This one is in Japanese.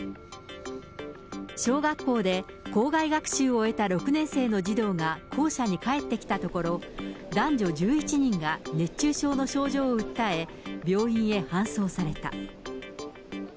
小学校で校外学習を終えた６年生の児童が校舎に帰ってきたところ、男女１１人が熱中症の症状を訴え、病院へ搬送された。